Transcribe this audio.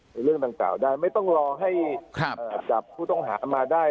เรื่องดังกล่าวได้ไม่ต้องรอให้จับผู้ต้องหามาได้